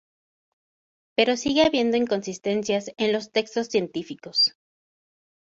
Pero sigue habiendo inconsistencias en los textos científicos.